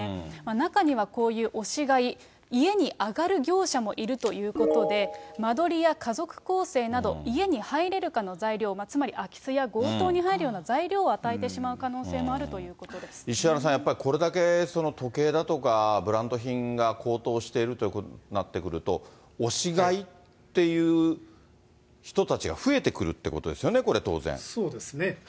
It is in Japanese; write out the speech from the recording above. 中にはこういう押し買い、家に上がる業者もいるということで、間取りや家族構成など、家に入れるかの材料、つまり空き巣や強盗に入るような材料を与えてしまう可能性もある石原さん、やっぱりこれだけ時計だとかブランド品が高騰しているとなってくると、押し買いっていう人たちが増えてくるということですよね、これ当そうですね。